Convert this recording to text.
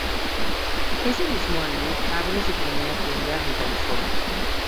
Ese mismo año abre su primera tienda en California.